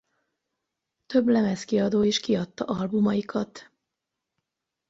Több lemezkiadó is kiadta albumaikat.